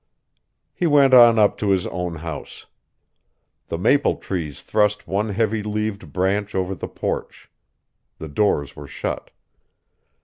He went on up to his own house. The maple tree thrust one heavy leaved branch over the porch. The doors were shut.